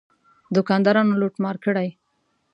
دوکاندارانو لوټ مار کړی.